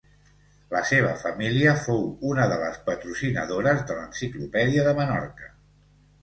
La seva família fou una de les patrocinadores de l'Enciclopèdia de Menorca.